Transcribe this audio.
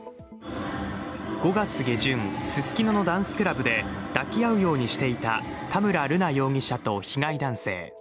５月下旬、ススキノのダンスクラブで抱き合うようにしていた田村瑠奈容疑者と被害男性。